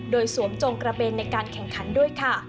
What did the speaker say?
โดยสวมจงกระเบนในการแข่งขันด้วยค่ะ